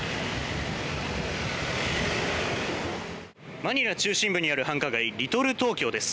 マニラ中心部にある繁華街、リトルトーキョーです。